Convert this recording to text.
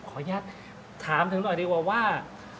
ขออนุญาตถามถึงหน่อยดีกว่าว่า